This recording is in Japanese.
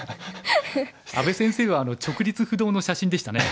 阿部先生は直立不動の写真でしたね。